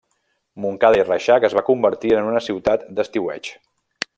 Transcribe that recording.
Montcada i Reixac es va convertir en una ciutat d'estiueig.